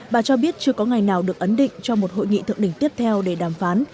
bà cho biết chưa có ngày nào được ấn định cho một hội nghị thượng đỉnh tiếp theo để đàm phán